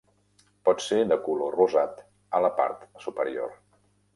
Pot ser de color rosat a la part superior.